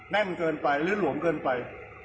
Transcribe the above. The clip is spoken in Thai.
เกินไปหรือหลวมเกินไป